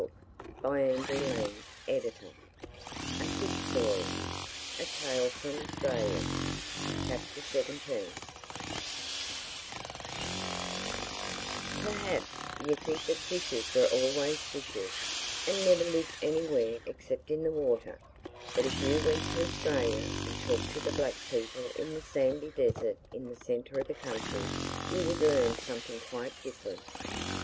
From 'Popular Tales of the West Highlands.' A Fish Story Perhaps you think that fishes were always fishes, and never lived anywhere except in the water, but if you went to Australia and talked to the black people in the sandy desert in the centre of the country, you would learn something quite different.